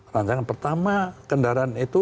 rancangan pertama kendaraan itu